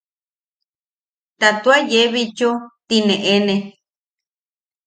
Ta tua yee bitchu tine eene.